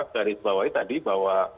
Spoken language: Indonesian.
dari bawahnya tadi bahwa